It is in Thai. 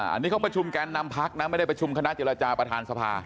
อันนี้เขาประชุมแกนนำพักนะไม่ได้ประชุมคณะเจรจาประธานสภา